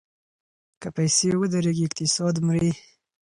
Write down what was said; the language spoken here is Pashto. که پیسې ودریږي اقتصاد مري.